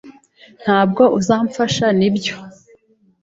Ntabwo uzamfasha, nibyo?